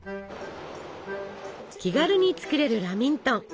気軽に作れるラミントン。